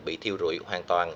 bị thiêu rụi hoàn toàn